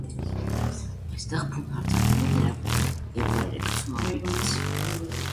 Այնտեղ բուն հարձակվում է նրա վրա և վայր է գցում ամպիկից։